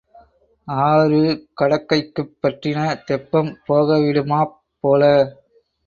ஆறு கடக்கைக்குப் பற்றின தெப்பம் போகவிடுமாப் போலே.